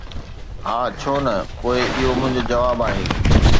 ”ها، ڇو نه؟“ ”پوءِ اهو منهنجو جواب آهي.